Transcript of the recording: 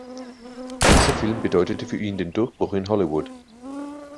Dieser Film bedeutete für ihn den Durchbruch in Hollywood.